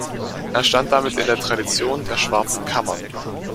Er stand damit in der Tradition der „Schwarzen Kammern“.